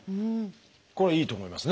これいいと思いますね。